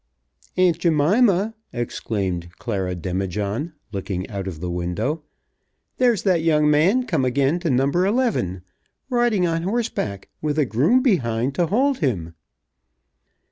"Aunt Jemima," exclaimed Clara Demijohn, looking out of the window, "there's that young man come again to Number Eleven, riding on horseback, with a groom behind to hold him!"